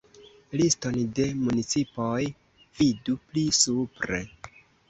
Liston de municipoj vidu pli supre.